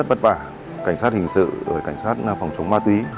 cảnh sát hình sự cảnh sát phòng chống ma túy